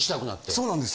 そうなんです。